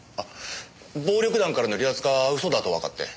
暴力団からの離脱が嘘だとわかって。